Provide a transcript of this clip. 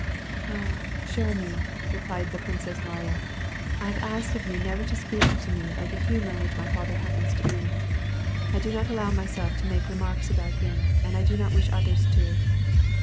"Ah, chere amie,^ replied the Princess Mariya, "I have asked of you never to speak to me of the humor in which my father happens to be. I do not allow myself to make remarks about him and I do not wish others to."